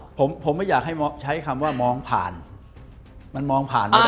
บ๊วยบรรยายผมไม่อยากให้ใช้คำว่ามองผ่านมันมองผ่านไม่ได้มอง